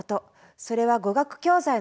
それは語学教材の販売です。